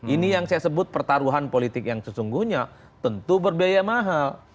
ini yang saya sebut pertaruhan politik yang sesungguhnya tentu berbiaya mahal